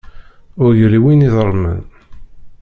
Ur yelli win iḍelmen.